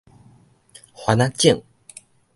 番子井